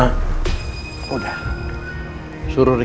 bennu dah temin